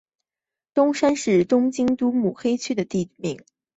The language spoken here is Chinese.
东山是东京都目黑区的地名。